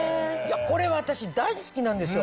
これ私大好きなんですよ。